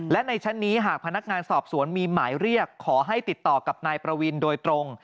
และในชั้นนี้หากพนักงานสอบสวนมีหมายเรียกขอให้ติดต่อกับนายประวินโดยตรง